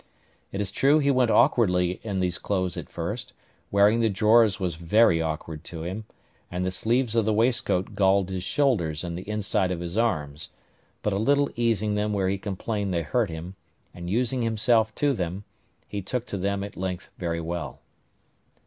It is true he went awkwardly in these clothes at first: wearing the drawers was very awkward to him, and the sleeves of the waistcoat galled his shoulders and the inside of his arms; but a little easing them where he complained they hurt him, and using himself to them, he took to them at length very well.